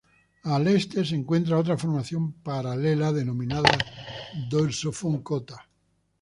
Al este se encuentra otra formación paralela denominada Dorso von Cotta.